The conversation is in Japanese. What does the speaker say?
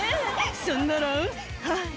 「そんならはい